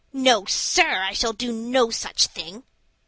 No, sir, I shall do no such thing."